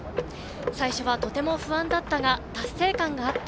最初はとても不安だったが達成感があった。